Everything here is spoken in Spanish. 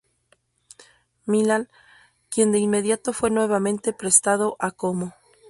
Milan, quien de inmediato fue nuevamente prestado a Como.